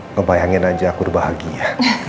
ngebayangin aja aku udah bahagia